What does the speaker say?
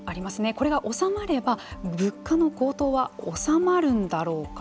これが収まれば物価の高騰は収まるんだろうか。